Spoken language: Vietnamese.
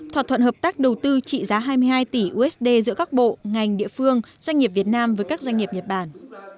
thỏa thuận hợp tác đầu tư trị giá hai mươi hai tỷ usd giữa các bộ ngành địa phương doanh nghiệp việt nam với các doanh nghiệp nhật bản